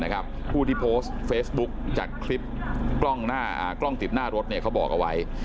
ผู้ที่โพสต์เฟซบุ๊คจากคลิปกล้องติดหน้ารถเขาบอกเอาไว้